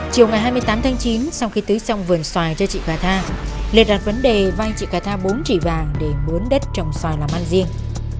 chiều ngày hai mươi tám tháng chín sau khi tưới xong vườn xoài cho chị cà tha lê đặt vấn đề vay chị cà tha bốn trị vàng để muốn đất trồng xoài làm ăn riêng